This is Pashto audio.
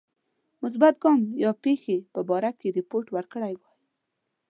مثبت ګام یا پیښی په باره کې رپوت ورکړی وای.